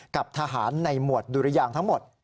กับทหารในหมวดดุรยางทั้งหมด